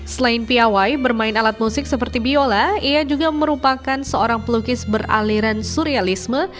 selain piawai bermain alat musik seperti biola ia juga merupakan seorang pelukis beraliran surialisme